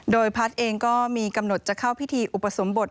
โดยพัฒน์เองก็มีกำหนดจะเข้าพิธีอุปสมบท